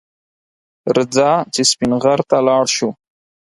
رځه چې سپین غر ته لاړ شو